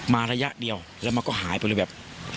ระยะเดียวแล้วมันก็หายไปเลยแบบ